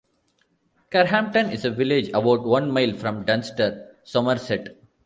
Carhampton is a village about one mile from Dunster, Somerset.